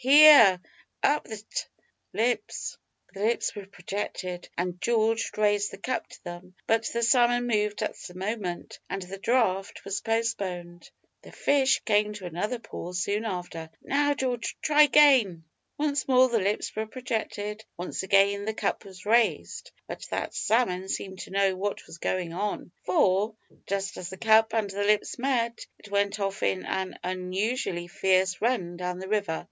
"Here, up with't lips." The lips were projected, and George raised the cup to them, but the salmon moved at the moment, and the draught was postponed. The fish came to another pause soon after. "Now, Geo'ge, try 'gain." Once more the lips were projected, once again the cup was raised, but that salmon seemed to know what was going on, for, just as the cup and the lips met, it went off in an unusually fierce run down the river.